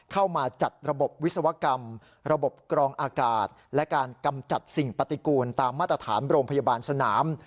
เข้ามาจัดระบบวิศวกรรมระบบกรองอากาศและการกำจัดสิ่งปฏิกูลตามมาตรฐานโรงพยาบาลสนาม